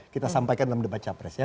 kita sampaikan dalam debat capres ya